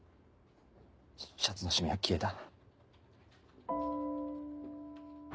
シャツの染みは消えた。